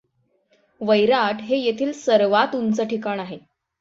वैराट हे येथील सर्वात उंच ठिकाण आहे.